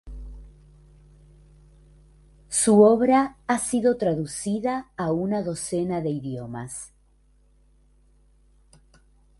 Su obra ha sido traducida a una docena de idiomas.